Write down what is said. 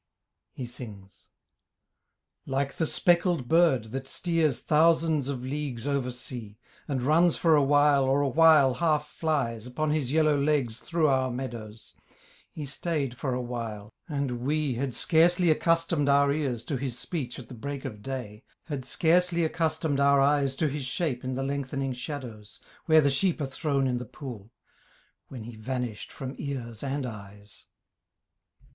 [He sings. 'Like the speckled bird that steers Thousands of leagues oversea, And runs for a while or a while half flies Upon his yellow legs through our meadows, He stayed for a while; and we Had scarcely accustomed our ears To his speech at the break of day, Had scarcely accustomed our eyes To his shape in the lengthening shadows, Where the sheep are thrown in the pool, When he vanished from ears and eyes.